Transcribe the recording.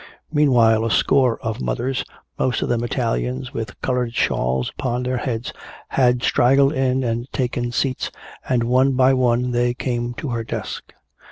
Meanwhile a score of mothers, most of them Italians with colored shawls upon their heads, had straggled in and taken seats, and one by one they came to her desk.